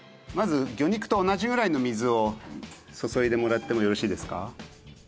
まず魚肉と同じぐらいの水を注いでもらってもよろしいですか？